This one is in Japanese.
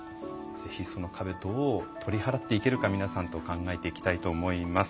ぜひ、その壁どう取り払っていけるか皆さんと考えていきたいと思います。